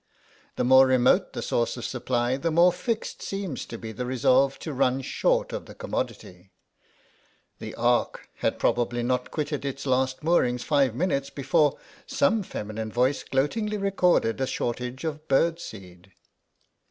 The more remote the source of supply the more fixed seems to be the resolve to run short of the commodity. The Ark had probably not quitted its last moorings five minutes before some feminine voice gloatingly recorded a shortage of bird seed.